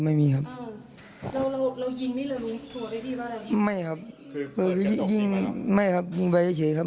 ไม่ครับยิงไปเฉยครับ